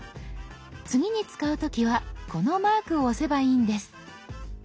次に使う時はこのマークを押せばいいんです。